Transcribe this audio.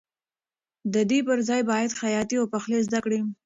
د دې پر ځای باید خیاطي او پخلی زده کړې.